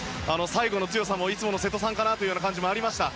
最後の強さもいつもの瀬戸さんかなという感じもありました。